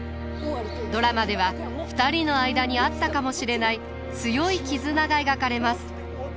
ドラマでは２人の間にあったかもしれない強い絆が描かれます。